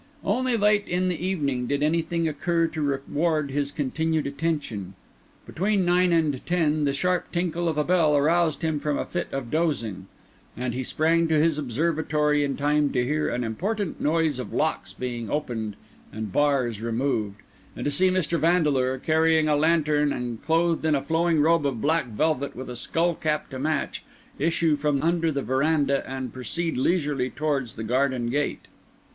Only late in the evening did anything occur to reward his continued attention. Between nine and ten the sharp tinkle of a bell aroused him from a fit of dozing; and he sprang to his observatory in time to hear an important noise of locks being opened and bars removed, and to see Mr. Vandeleur, carrying a lantern and clothed in a flowing robe of black velvet with a skull cap to match, issue from under the verandah and proceed leisurely towards the garden gate.